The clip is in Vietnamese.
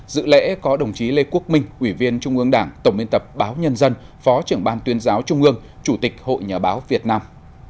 dự lễ có đồng chí lê quốc minh ủy viên trung ương đảng tổng biên tập báo nhân dân phó trưởng ban tuyên giáo trung ương chủ tịch hội nhà báo việt nam